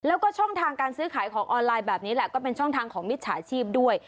แล้วก็ช่องทางการซื้อขายของออนไลน์แบบนี้แหละก็เป็นช่องทางของมิจฉาชีพด้วย